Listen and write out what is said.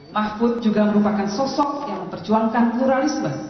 mahfud juga merupakan sosok yang memperjuangkan pluralisme